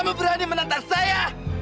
kamu berani menantang saya